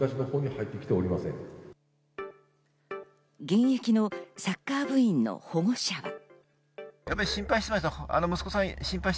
現役のサッカー部員の保護者は。